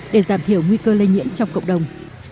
để giảm thiểu nguy cơ lây nhiễm trong cộng đồng